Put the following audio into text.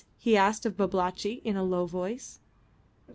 he asked of Babalatchi, in a low voice.